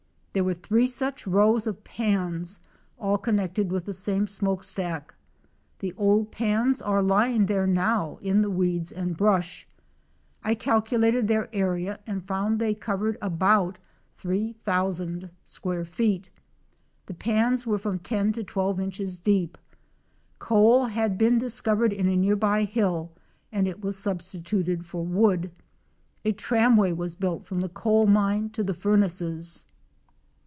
There were three such rows of pans all connected with the same smoke stack. The old pans are lying there now in the weeds and brush. I calculated their area and found they covered about 3,000 square feet. The pans were from ten to twelve inches deep. Coal had been discovered in a near by hill and it was substituted for wood, A tramway was built from the coal mine to the furnaces.